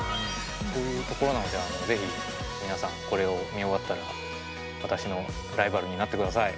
そういうところなので是非皆さんこれを見終わったら私のライバルになってください。